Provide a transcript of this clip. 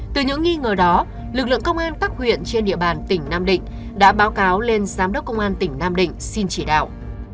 từ những nghi ngờ đó lực lượng công an các huyện trên địa bàn tỉnh nam định đã báo cáo lên giám đốc công an tỉnh nam định xin chỉ đạo